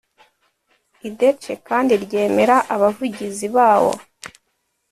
idec kandi ryemera abavugizi bawo